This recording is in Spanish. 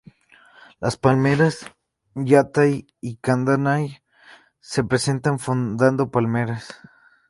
Las palmeras yatay y caranday se presentan formando palmares.